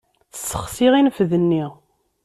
Ssexsiɣ infed-nni.